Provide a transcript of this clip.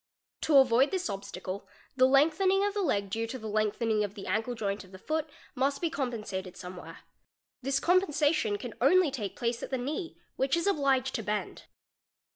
To avoid this obstacle, © the lengthening of the leg due to the lengthening of the ankle joint of the foot must be compensated somewhere. This compensation can only take place at the knee, which is obliged to bend.